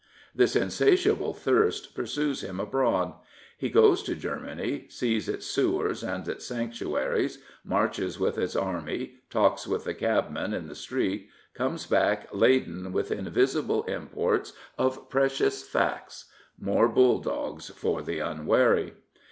This insatiable thirst pursues him abroad. He goes to Germany, sees its sewers and its sanctuaries, marches with its army, talks with the cabmen in the street, comes back laden with invisible imports of precious facts — more bulldogs for the unwary.